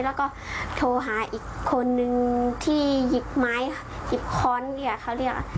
แล้วก็โทรหาอีกคนนึงที่หยิบไม้หยิบค้อนเรียกเขาเรียก